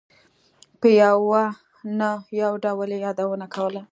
په یوه نه یو ډول یې یادونه کوله.